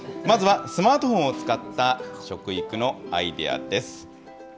まずはスマートフォンを使った食育のアイデアです。